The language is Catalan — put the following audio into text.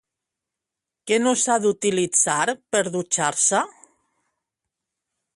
Què no s'ha d'utilitzar per dutxar-se?